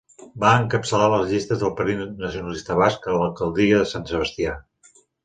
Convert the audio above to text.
Va encapçalar les llistes del Partit Nacionalista Basc a l'alcaldia de Sant Sebastià.